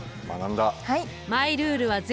はい。